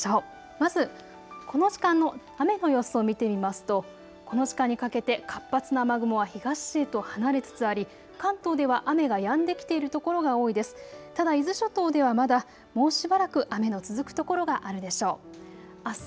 まず、この時間の雨の様子を見てみますとこの時間にかけて活発な雨雲は東へと離れつつあり関東では雨がやんできているところが多いです。